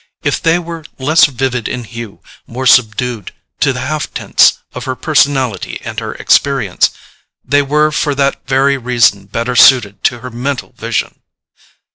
If they were less vivid in hue, more subdued to the half tints of her personality and her experience, they were for that very reason better suited to her mental vision.